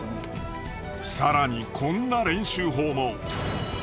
更にこんな練習法も。